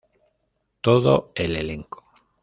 Todo el elenco.